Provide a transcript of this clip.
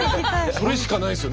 それしかないですよね。